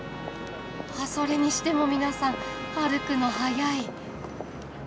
それにしても皆さん歩くの速い。